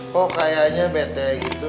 kok kayaknya bete gitu